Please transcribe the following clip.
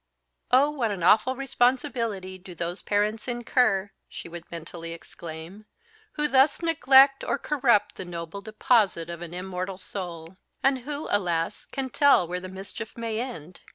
"Oh, what an awful responsibility do those parents incur," she would mentally exclaim, "who thus neglect or corrupt the noble deposit of an immortal soul! And who, alas! can tell where the mischief may end?